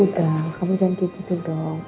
udah kamu jangan gitu gitu dong